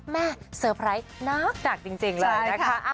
เซอร์ไพรส์นักหนักจริงเลยนะคะ